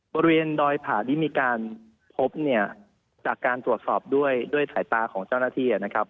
บริเวณดอยผ่าที่มีการพบเนี่ยจากการตรวจสอบด้วยด้วยสายตาของเจ้าหน้าที่นะครับ